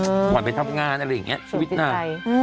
อือวันไปทำงานอะไรอย่างงี้ชีวิตหน้าสงสัย